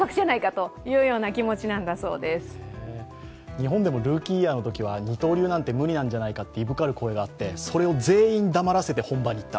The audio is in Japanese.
日本でもルーキーイヤーのときは二刀流なんて無理なんじゃないかといぶかる声があって、それを全員黙らせて本場に行った。